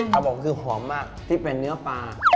ครับผมคือหอมมากที่เป็นเนื้อปลา